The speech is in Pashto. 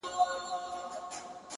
هغه زلمو او بوډاګانو ته منلی چنار.!